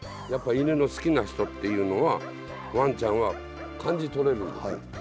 やっぱ犬の好きな人っていうのはワンちゃんは感じ取れるんです。